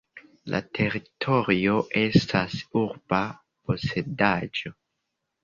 La teritorio estas urba posedaĵo.